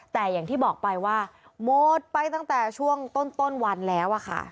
แต่อย่างที่บอกไปว่าหมดไปตั้งแต่ช่วงต้นวันแล้วค่ะ